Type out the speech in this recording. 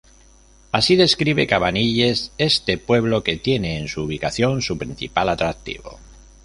Así describe Cavanilles este pueblo que tiene en su ubicación su principal atractivo.